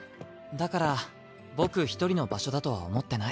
だから僕一人の場所だとは思ってない。